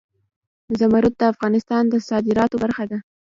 زمرد د افغانستان د صادراتو برخه ده.